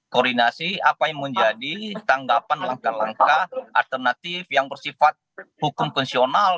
koordinasi apa yang menjadi tanggapan langkah langkah alternatif yang bersifat hukum konvensional